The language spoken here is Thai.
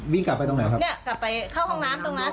กลับไปตรงไหนครับเนี่ยกลับไปเข้าห้องน้ำตรงนั้น